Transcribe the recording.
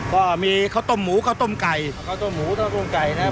ก็มีข้าวต้มหมูข้าวต้มไก่ข้าวต้มหมูข้าวต้มไก่นะครับ